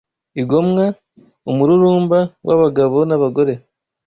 Igomwa, umururumba w’abagabo n’abagore